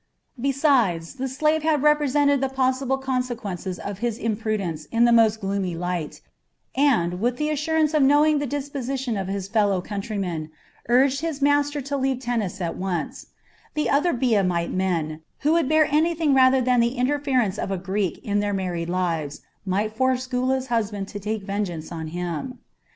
Besides, the slave had represented the possible consequences of his imprudence in the most gloomy light, and, with the assurance of knowing the disposition of his fellow countrymen, urged his master to leave Tennis at once; the other Biamite men, who would bear anything rather than the interference of a Greek in their married lives, might force Gula's husband to take vengeance on him.